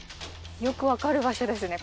よく分かる場所ですね